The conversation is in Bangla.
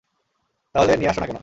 তাহলে নিয়ে আসছো না কেনো?